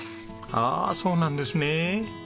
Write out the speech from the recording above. ああそうなんですねえ。